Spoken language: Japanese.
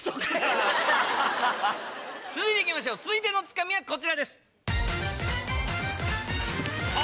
続いていきましょう続いてのツカミはこちらです。